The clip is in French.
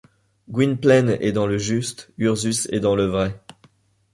Gwynplaine est dans le juste, Ursus est dans le vrai